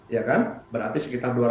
ya kan berarti sekitar